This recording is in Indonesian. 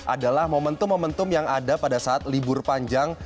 adalah momentum momentum yang ada pada saat libur panjang